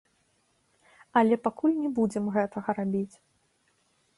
Але пакуль не будзем гэтага рабіць.